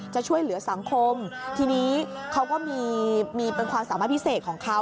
จะช่วยเหลือสังคมทีนี้เขาก็มีเป็นความสามารถพิเศษของเขา